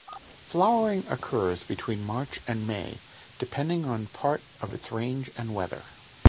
Flowering occurs between March and May depending on part of its range and weather.